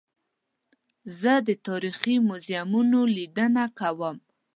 زه د تاریخي موزیمونو لیدنه کوم.